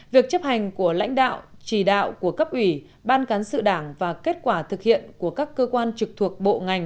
việc chấp hành của lãnh đạo chỉ đạo của cấp ủy ban cán sự đảng và kết quả thực hiện của các cơ quan trực thuộc bộ ngành